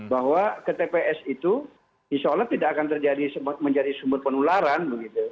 bahwa ke tps itu insya allah tidak akan terjadi menjadi sumber penularan begitu